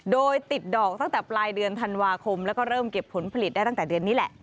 โดยติดดอกตั้งแต่ปลายเดือนธันวาคมแล้วก็เริ่มเก็บผลผลิตได้ตั้งแต่เดือนนี้แหละ